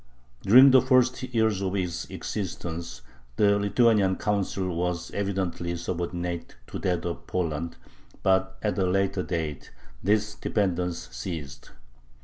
During the first years of its existence the Lithuanian Council was evidently subordinate to that of Poland, but at a later date this dependence ceased.